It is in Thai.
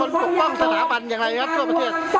พวกเราจะยอมหรือไม่ยอม